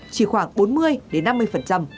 chỉ khoảng bốn mươi năm mươi